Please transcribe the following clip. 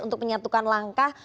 untuk menyatukan langkah